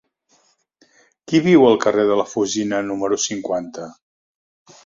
Qui viu al carrer de la Fusina número cinquanta?